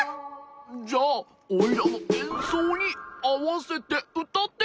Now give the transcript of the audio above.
じゃオイラのえんそうにあわせてうたって！